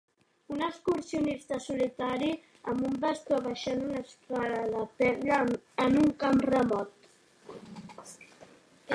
Un excursionista solitari amb un bastó baixant una escala de pedra en un camp remot.